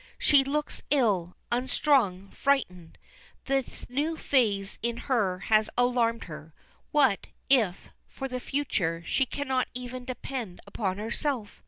She looks ill, unstrung, frightened. This new phase in her has alarmed her. What if, for the future, she cannot even depend upon herself?